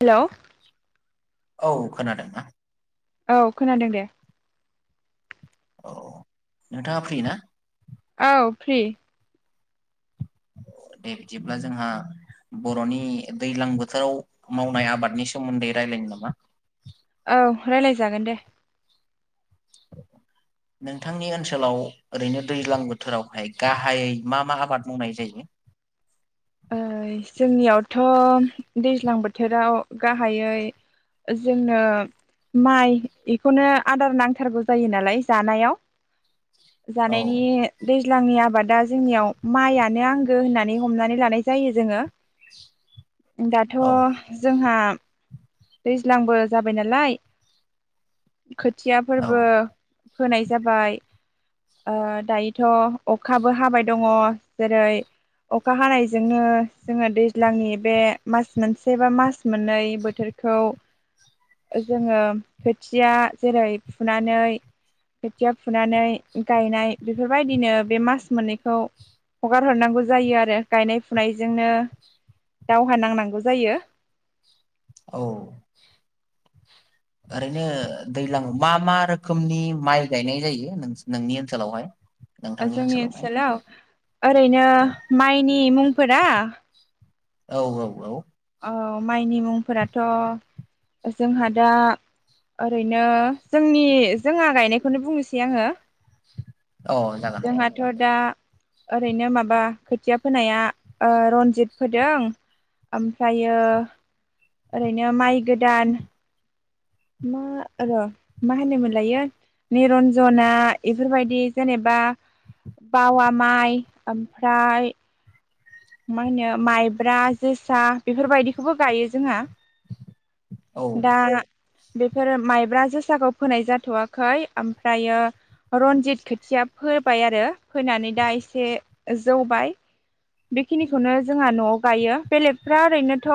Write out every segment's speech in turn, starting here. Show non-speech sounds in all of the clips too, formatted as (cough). Hello. औ खोनादोंना? औ खोनादों दे। औ नोंथाङा फ्रि ना? औ फ्रि। दे बिदिब्ला जोंहा बर'नि दैज्लां बोथोराव मावनाय आबादनि सोमोन्दै रायलायनो नामा? औ रायलायजागोन दे। नोंथांनि ओनसोलाव ओरैनो दैज्लां बोथोरावहाय गाहायै मा मा आबाद मावनाय जायो? ओ जोंनियावथ' दैज्लां बोथोराव गाहायै जोंनो माइ बेखौनो आदार नांथारगौ जायो नालाय जानायाव औ जानायनि दै ज्लांनि आबादा जोंनियाव माइयानो आंगो होननानै हमनानै लानाय जायो जोङो दाथ' औ जोंहा दैज्लांबो जाबाय नालाय खोथिया औ फोरबो फोनाय जाबाय ओ दायोथ' अखाबो हाबाय दङ जेरै अखा हानाय जोंनो जोङो दैज्लांनि बे मास मोनसे बा मास मोननै बोथोरखौ जोङो खोथिया जेरै फुनानै खोथिया फुनानै गायनाय बेफोरबायदिनो बे मास मोननैखौ हगार हरनांगौ जायो आरो। गायनाय फुनायजोंनो दावहा नांनांगौ जायो। औ ओरैनो दैज्लां मा मा रोखोमनि माइ गायनाय जायो नों- नोंनि ओनसोलावहाय? नोंथांनि जोंनि ओनसोलावहाय ओनसोलाव ओरैनो माइनि मुंफोरा औ औ औ। औ माइनि मुंफोराथ' जोंहा दा ओरैनो जोंनि जोंहा गायनायखौनो बुंनोसै आङो औ अ जागोन दे जोंहाथ' दा ओरैनो माबा खोथिया फोनाया ओ रनजित फोदों ओमफ्रायो ओरैनो माइ गोदान मा र मा होनो मोनलायो निरन्जना इफोरबायदि जेनेबा बावा माइ ओमफ्राय मा होनो माइब्रा जोसा बेफोरबायदिखौबो गायो जोंहा औ दा बेफोरो माइब्रा जोसाखौ फोनाय जाथ'वाखै ओमफ्रायो रन्जित खोथिया फोबाय आरो फोनानै दा एसे जौबाय बेखिनिखौनो जोंहा न'आव गायो बेलेगफ्रा ओरैनोथ'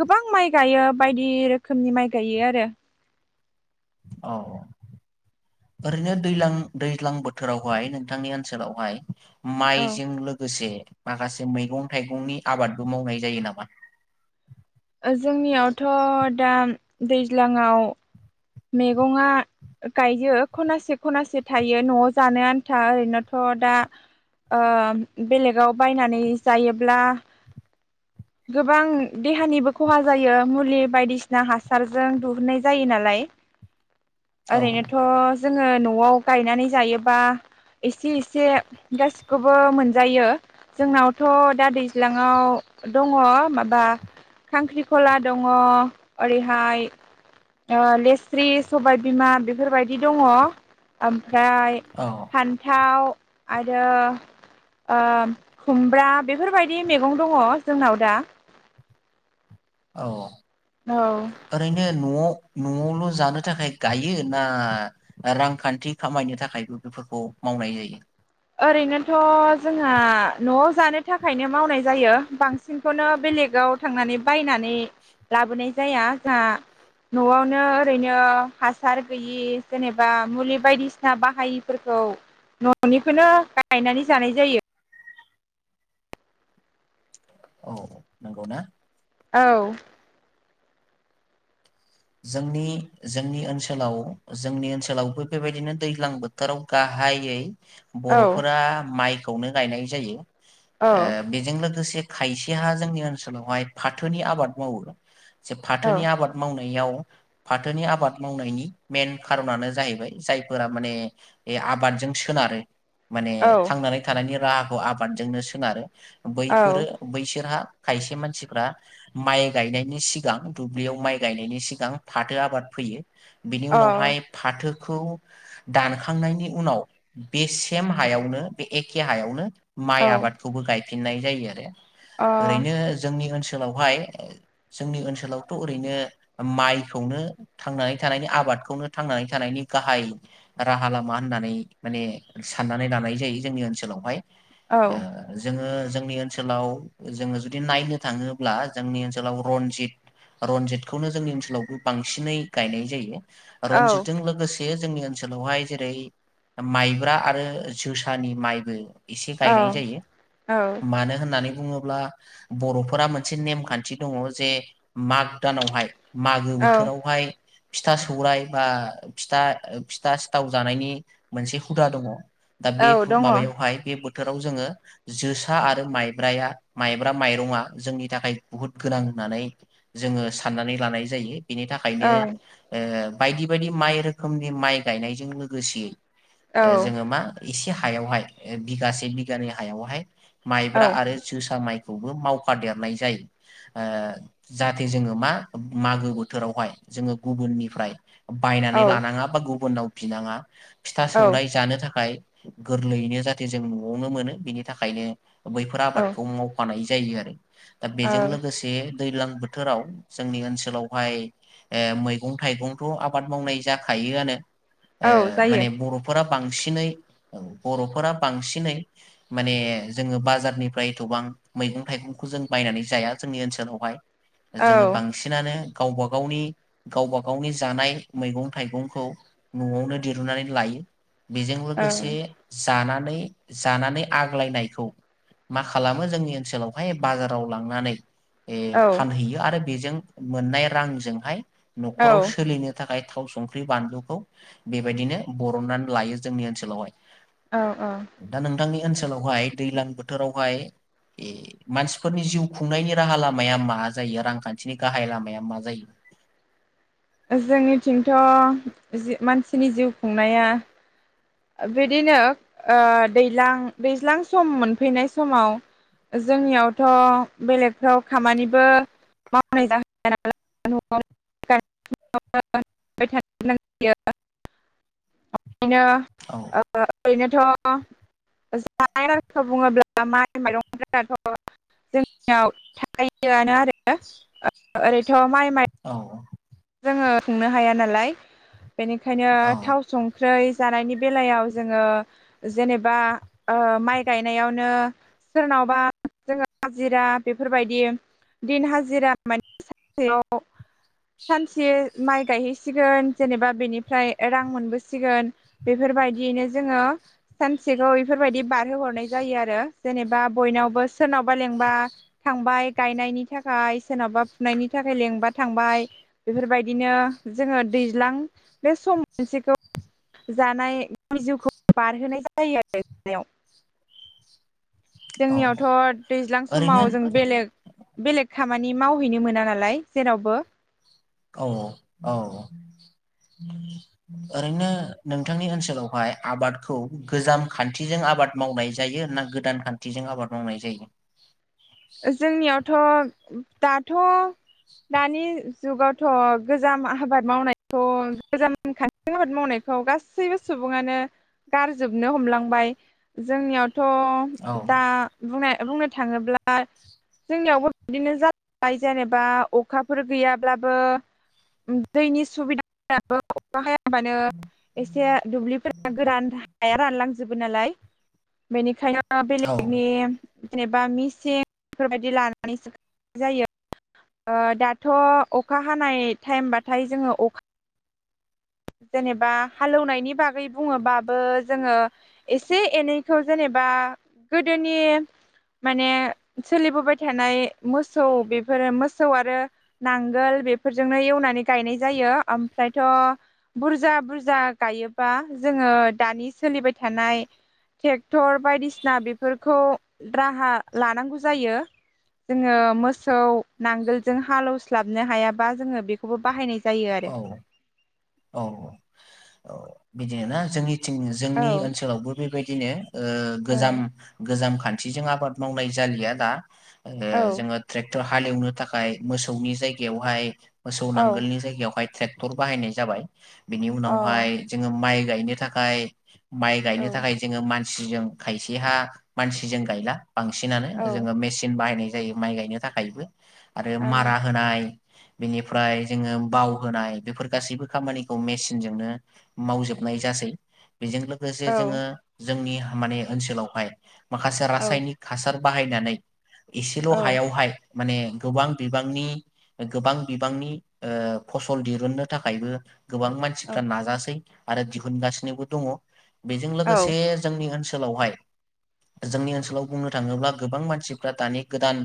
गोबां माइ गायो बायदि रोखोमनि माइ गायो आरो औ ओरैनो दैलां दैज्लां बोथोरावहाय नोंथांनि ओनसोलावहाय माइजों औ लोगोसे माखासे मैगं थाइगंनि आबादबो मावनाय जायो नामा? जोंनियावथ' दा दैज्लाङाव मैगंआ गायो खनासे खनासे थायो न'आव जानो आन्था ओरैनोथ' दा ओ बेलेगाव बायनानै जायोब्ला गोबां देहानिबो खहा जायो मुलि बायदिसिना हासारजों दिहुननाय जायो नालाय औ ओरैनोथ' जोङो न'आव गायनानै जायोबा एसे एसे गासैखौबो मोनजायो जोंनावथ' दा दैज्लाङाव दड माबा खांख्रिखला दङ ओरैहाय ओ लेस स्रि सबाय बिमा बेफोरबायदि दङ आम ओमफ्राय औ फान्थाव आरो ओ खुमब्रा बेफोर बायदि मैगं दङ जोंनाव दा। औ। औ ओरैेनो न' न'आवल' जानो थाखाय गायो ना रांखान्थि खामायनो थाखायबो बेफोरखौ मावनाय जायो? ओरैनोथ' जोंहा न'आव जानो थाखायनो मावनाय जायो बांसिनखौनो बेलेगाव थांनानै बायनानै नै लाबोनाय जाया जोंहा न'आवनो ओरैनो हासार गैयि जेनेबा मुलि बायदिसिना बाहायिफोरखौ न'नि बेखौनो गायनानै जानाय जायो। औ औ नंगौ ना? औ। जोंनि जोंनि ओनसोलाव जोंनि ओनसोलावबो बेबायदिनो दैज्लां बोथोराव गाहायै औ बर'फोरा माइ खौनो गायनाय जायो। औ ओ बेजों लोगोसे खायसेहा जोंनि ओनसोलाव हाय फाथोनि आबाद मावो। जे फाथोनि आबाद मावनो याव फाथोनि आबाद मावनायनि मेन खारनानो जाहैबाय जायफोरा माने ए आबादजों सोनारो। माने थांनानै थानायनि राहाखौ आबादजोंनो सोनारो। औ बैफोरो बैसोरहा खायसे मानसिफ्रा माइ गायनायनि सिगां दुब्लियाव माइ गायनायनि सिगां फाथो आबाद फोयो। बिनि औ उनावहाय फाथोखौ दानखांनायनि उनाव बे सेम हायावनो बे एखे हायावनो माइ आबादखौ बो गाय फिनाय जायो आरो। ओरैनो जोंनि ओनसो सोलावहाय जोंनि ओनसोलावथ' ओरैनो माइखौनो थांनानै थानायनि आबादखौनो थांनानै थानायनि गाहाय राहा लामा होननानै माने साननानै लानाय जायो जोंनि ओनसोलावहाय। अ औ अ औ ओ जोंङो जोंनि ओनसोलाव जोंङो जुदि नायनो थांङोब्ला जोंनि ओनसोलाव रनजित रनजित खौनो जोंनि ओनसोलावबो बांसिनै गायनाय जायो। रनजितजों लोगोस यो जोंनि ओनसोलावहाय जेरै माइब्रा आरो जोसानि माइबो इसे औ गायनाय जायो, औ मानो होननानै बुंङोब्ला बर'फोरा मोनसे नेम खान्थि दंङ जे माग दानावहाय मागो औ बोथोरावहाय फिथा सौराय बा फिथा फिथा सिथाव जानायनि मोनसे हुदा दंङ। दा औ बे हु दङ औ माबायावहाय बे बो बोथोराव जोंङो जोसा आरो माइब्राया माइब्रा माइरंआ जोंनि थाखाय बुहुत गोनां होननानै जोंङो साननानै लानाय जायो। बिनि थाखायनो औ ओ बायदि बायदि माइ रोखोमनि माइ गायनायजों लोगोसे औ ओ जोंङो मा इसे हा हायावहाय बिगासे बिगानै हायावहाय माइब्रा आरो जोसा माइ खौबो मावफादेरनाय जायो ओ जाहाथे जोंङो मा मागो बोथोरावहाय जोंङो गुबुननिफ्राय बायनानै लानांङा बा गुबुनाव बिनांङा फिथा औ सौराय जानो थाखाय गोरलैयैनो जाहाथे जों न'आवनो मोनो बिनि थाखायनो बैफोर आबादखौ मावफानाय जायो आरो। दा बेजों औ लोगोसे दैज्लां बोथोराव जोंनि ओनसोलावहाय ओ मैगं थाइगंथ' आबाद मावनाय जाखायोआनो औ ओ जायो माने बर'फोरा बांसिनै औ बर'फोरा बांसिनै माने जोंङो बाजारनिफ्राय एथ'बां मैगं थाइगंखौ जों बायनानै जाया जोंनि ओनसोलावहाय औ जोंङो बांसिनानो गावबा गावनि गावबा गावनि जानाय मैगं थाइगंखौ न'आवनो दिरुनानै लायो। बेजों औ लोगोसे जाना नै जानानै आग्लायनायखौ मा खालामो जोंनि ओनसोलावहाय बाजाराव लांनानै एह औ फानहैयो। बेजों मोननाय रांजोंहाय औ न'खराव सोलिनो थाखाय थाव संख्रि बानलुखौ बेबायदिनो बरननानै लायो जोंनि ओनसोलावहाय औ औ दा नोंथांनि ओनसो ओनासोलावहाय दैलां बोथोरावहाय मानसिफोरनि जिउ खुंनायनि राहा लामाया मा जायो रांखान्थिनि गाहाय लामाया मा जायो जोंनिथिंथ' जि मानसिनि जिउ खुंनाया बिदिनो ओ दैज्लां दैज्लां सम मोनफैनाय समाव जोंनियावथ बेलेगफ्राव खामानिबो मावनाय जाह नालायआव (unintelligible) ओ औ ओरैनोथ थ जानाय राहाखौ बुङोब्ला माइ माइरंफोराथ जोंनाव थायोआनो आरो ओ ओरैथ माइ माइरं औ जोङो खुंनो हाया नालाय बेनिखायनो औ थाव संख्रै जानायनि बेलायाव जोङो जेनेबा ओ माइ गायनायावनो सोरनावबा जोङो हाजिरा बेफोरबायदि दिन हाजिरा माने सानसेयाव सानसे माइ गायहैसिगोन जेनेबा बेनिफ्राय रां मोनबोसिगोन बेफोरबायदियैनो जोङो सानसेखौ बेफोरबायदि बारहोहरनाय जायो आरो जेनेबा बयनावबो सोरनावबा लेंबा थांबाय गायनायनि थाखाय सोरनावबा फुनायनि थाखाय लेंबा थांबाय बेफोरबायदिनो जोङो दैज्लां बे सम मोनसेखौ जानायावनि जिउखौ बारहोनाय जायो आरो जानायाव औ जोंनियावथ दैज्लां ओरैनो समाव जों बेलेग बेलेग खामानि मावहैनो मोना नालाय जेरावबो औ औ ओरैनो नोंथांनि ओनसोलावहाय आबादखौ गोजाम खान्थिजों आबाद मावनाय जायो ना गोदान खान्थिजों आबाद मावनाय जायो जोंनियाव थ दाथ दानि जुगावथ गोजाम आबाद मावनायखौ गोजाम खान्थि आबाद मावनायखौ गासैबो सुबुङानो गारजोबनो हमलांबाय जोंनियाव थ औ दा बुंनाय बुंनो थाङोब्ला जोंनियावबो बिदिनो जालांबाय जेनेबा अखाफोर गैयाब्लाबो दैनि सुबिदाफोराबो अखा हा हबानो एसे दुब्लिफोरा गोरान हाया रानलांजोबो नालाय बेनिखायनो औ बेलेगनि जेनेबा मिस सें बेफोरबायदि लानानैसोनाय जायो दाथ' अखा हानाय टाइमबथाय जोङो अखा जेनेबा हालेवनायनि बागै बुङोबाबो जोङो एसे एनैखौ जेनेबा गोदोनि माने सोलिबोबाय थानाय मोसौ बेफोरो मोसौ आरो नांगोल बेफोरजोंनो एवनानै गायनाय जायो ओमफ्रायथ' बुरजा बुरजा गायोबा जोङो दानि सोलिबाय थानाय ट्रेक्टर बायदिसिना बेफोरखौ राहा लानांगौ जायो जोङो मोसौ नांगोलजों हालौ लासलबनो हायाबा जोङो बेखौबो बाहायनाय जायो आरो औ औ औ बिदिनो ना जोंनि औ जोंनि ओनसोलावबो बेबायदिनो ओ गोजाम गोजाम खान्थि आथिजों आबाद मावनाय जालिया दा औ जोङो ट्रेक- टर हालेवनो थाखाय मोसौनि जायगायावहाय मोसौ औ नांगोलनि जायगायाव बेहाय ट्रेक्टर बाहायनाय जाबाय बिनि औ उनावहाय जोङो माइ गायनो थाखाय माइ गायनो औ थाखाय जोङो मानसि मानसिजों खायसेहा मानसिजों गायला बांसिनानो औ जोङो मेसिन बाहायनाय जायो माइ गायनो थाखायबो आरो औ मारा होनाय बेनिफ्राय जोङो बाव होनाय बेफोर गासैबो खामानिखौ मेसिनजोंनो मावजोबनाय जासै बेजों लोगोसे जोङो औ जोंनि माने ओनसोलावहाय माखासे रासायनिक हासार बाहायना नै एसेल' हायावहाय माने गोबां बिबांनि गोबां बिबांनि फसल दिहुननो थाखायबो गोबां औ मानसिफ्रा नाजासै आरो दिहुनगासिनोबो दङ बेजों औ लोगोसे जोंनि ओनसो सोलावहाय जोंनि ओनसोलाव बुंनो थाङोब्ला गोबां मानसिफ्रा दानि गोदान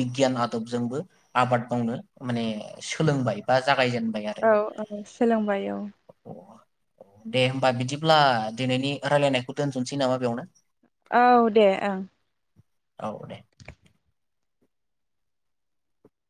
बिगियान आदबजोंबो आबाद मावनो माने सोलोंबाय बा जागायजेनबाय औ आरो औ सोलोंबाय औ। दे होमबा बिदिब्ला दिनैनि रायलायनायखौ दोनथ'नोसै नामा बेयावनो। औ दे ओं। औ। दे